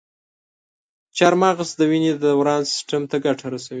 چارمغز د وینې دوران سیستم ته ګټه رسوي.